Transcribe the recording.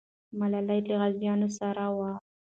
ملالۍ له غازیانو سره وه.